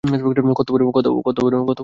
কত্ত বড় হারামজাদী!